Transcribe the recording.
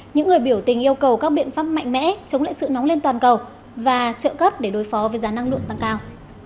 những người biểu tình yêu cầu các biện pháp mạnh mẽ chống lại sự nóng lên toàn cầu và trợ cấp để đối phó với giá năng lượng tăng cao